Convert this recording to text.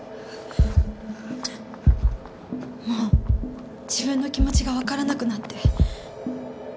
もう自分の気持ちがわからなくなって。